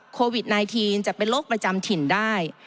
โควิด๑๙จะเป็นโรคประจำถิ่นได้